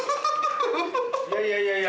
いやいやいやいや。